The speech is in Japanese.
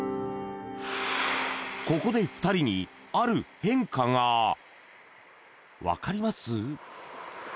ここで２人にある変化がわかります？